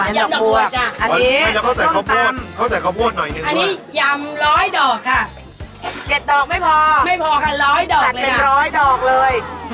อันนี้ยำร้อยดอกค่ะ๗ดอกไม่พอไม่พอค่ะร้อยดอกเลยค่ะจัดเป็นร้อยดอกเลย